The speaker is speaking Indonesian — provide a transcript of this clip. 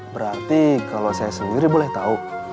berarti kalau saya sendiri boleh tahu